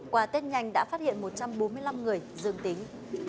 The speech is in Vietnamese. qua tết nhanh đã phát hiện một trăm bốn mươi năm người dương tính